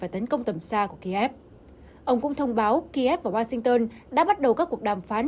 tổng thống biden cũng thông báo kiev và washington đã bắt đầu các cuộc đàm phán